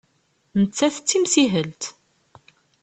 Nettat d timsihelt.